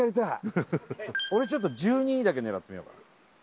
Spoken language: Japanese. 俺ちょっと１２だけ狙ってみようかな